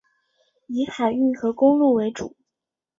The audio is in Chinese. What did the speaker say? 以海运和公路为主。